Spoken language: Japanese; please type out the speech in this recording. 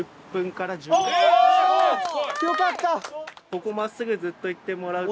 ここ真っすぐずっと行ってもらうと。